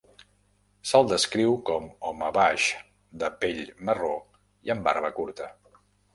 Se'l descriu com home baix, de pell marró i amb barba curta.